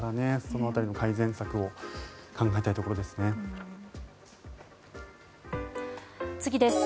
その辺りの改善策を考えたいところですね。